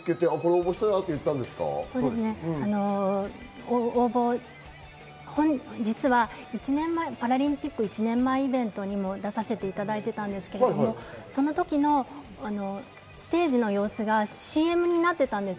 応募は奥様が見つけて応募し実はパラリンピック１年前イベントに出させていただいてたんですが、その時のステージの様子がＣＭになってたんです。